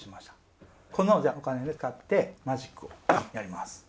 このお金を使ってマジックをやります。